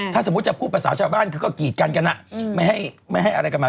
ถ้าสมมุติจะพูดภาษาชาวบ้านคือก็กีดกันกันไม่ให้อะไรกันมา